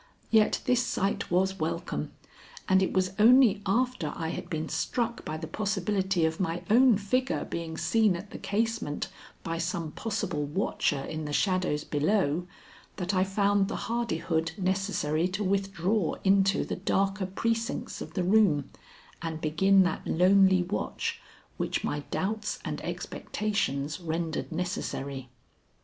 Yet this sight was welcome, and it was only after I had been struck by the possibility of my own figure being seen at the casement by some possible watcher in the shadows below, that I found the hardihood necessary to withdraw into the darker precincts of the room, and begin that lonely watch which my doubts and expectations rendered necessary.